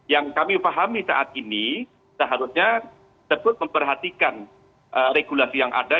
yang kami pahami saat ini seharusnya sebut memperhatikan regulasi yang ada